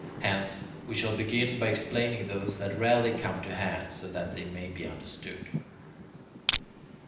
Hence, we shall begin by explaining those that rarely come to hand, so that they may be understood.